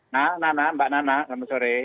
nah nah nah mbak nana selamat sore